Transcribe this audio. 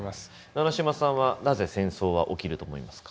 七島さんはなぜ戦争は起きると思いますか？